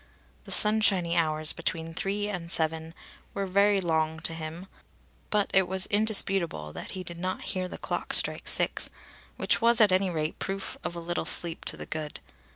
The sunshiny hours between three and seven were very long to him, but it was indisputable that he did not hear the clock strike six, which was, at any rate, proof of a little sleep to the good.